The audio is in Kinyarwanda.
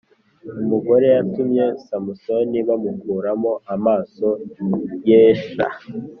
umugore yatumye samusoni bamukuramo amaso ye sha